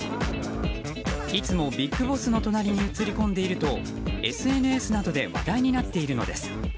いつもＢＩＧＢＯＳＳの隣に映り込んでいるとＳＮＳなどで話題になっているのです。